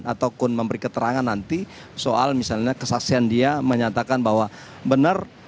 ataupun memberi keterangan nanti soal misalnya kesaksian dia menyatakan bahwa benar